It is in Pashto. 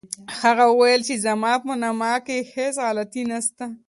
هغه وویل چي زما په نامه کي هیڅ غلطي نسته.